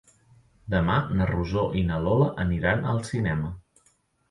Demà na Rosó i na Lola aniran al cinema.